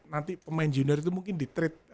nanti pemain junior itu mungkin di trade